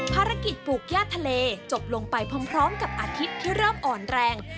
ปลูกย่าทะเลจบลงไปพร้อมกับอาทิตย์ที่เริ่มอ่อนแรง